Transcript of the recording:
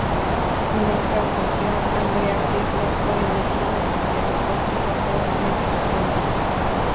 En esta ocasión, Andrea Pirlo fue elegido como el mejor jugador del encuentro.